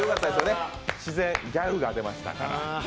自然、ギャルが出ました。